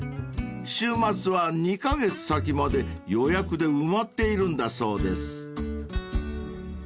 ［週末は２カ月先まで予約で埋まっているんだそうです］